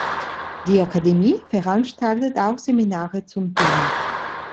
Die Akademie veranstaltet auch Seminare zum Thema.